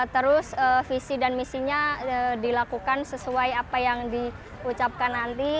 terus visi dan misinya dilakukan sesuai apa yang diucapkan nanti